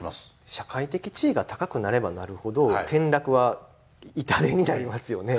社会的地位が高くなればなるほど転落は痛手になりますよね。